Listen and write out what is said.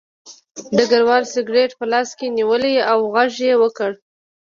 ډګروال سګرټ په لاس کې نیولی و او غږ یې وکړ